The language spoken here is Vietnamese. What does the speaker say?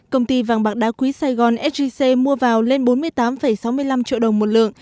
công ty vàng bạc đá quý sài gòn sgc mua vào lên bốn mươi tám sáu mươi năm triệu đồng một lượng